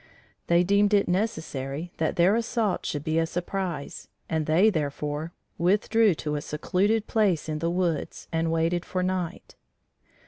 They deemed it necessary their assault should be a surprise and they, therefore, withdrew to a secluded place in the woods and waited for night.